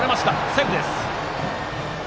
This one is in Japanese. セーフです。